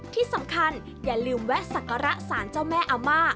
ที่สำคัญอย่าลืมแวะสักการะสารเจ้าแม่อาม่า